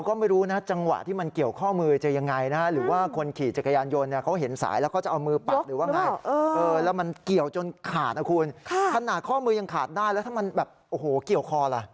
ขนาดข้อมือยังขาดได้แล้วถ้ามันแบบโอ้โหเกี่ยวคอล่ะ